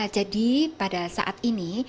jadi pada saat ini